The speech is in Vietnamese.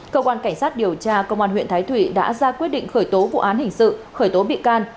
cơ quan cảnh sát điều tra công an huyện thái thụy đã ra quyết định khởi tố vụ án hình sự khởi tố bị can